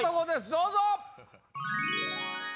どうぞ！